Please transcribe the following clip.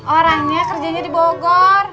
orangnya kerjaannya dibogor